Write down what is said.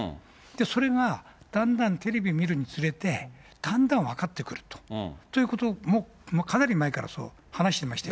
それがだんだんテレビ見るにつれて、だんだん分かってくると、ということもかなり前から話してましたよね。